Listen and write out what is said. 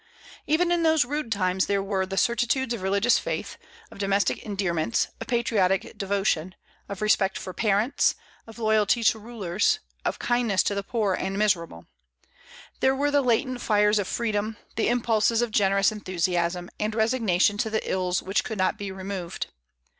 Even in those rude times there were the certitudes of religious faith, of domestic endearments, of patriotic devotion, of respect for parents, of loyalty to rulers, of kindness to the poor and miserable; there were the latent fires of freedom, the impulses of generous enthusiasm, and resignation to the ills which could not be removed.